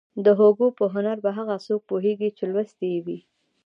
د هوګو پر هنر به هغه څوک پوهېږي چې لوستی يې وي.